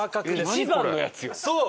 一番のやつよ。